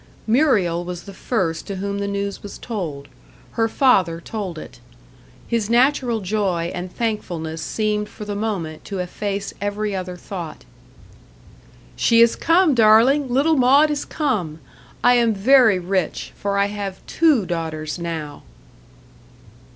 Muriel was the first to whom the news was told. Her father told it. His natural joy and thankfulness seemed for the moment to efface every other thought. "She is come, darling! little Maud is come. I am very rich for I have two daughters now."